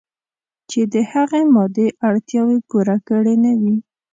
چې د هغه مادي اړتیاوې پوره کړې نه وي.